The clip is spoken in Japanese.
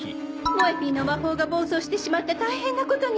モエＰのま・ほーが暴走してしまって大変なことに！